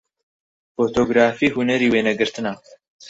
فۆتۆگرافی هونەری وێنەگرتنە